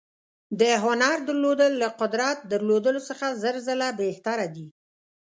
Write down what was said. د هنر درلودل له قدرت درلودلو څخه زر ځله بهتر دي.